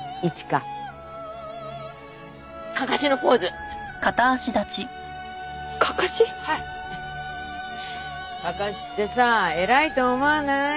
かかしってさ偉いと思わない？